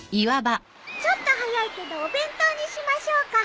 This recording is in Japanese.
ちょっと早いけどお弁当にしましょうか。